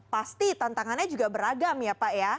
pasti tantangannya juga beragam ya pak ya